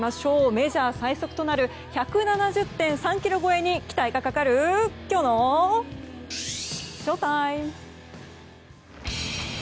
メジャー最速となる１７０．３キロ超えに期待がかかるきょうのＳＨＯＴＩＭＥ！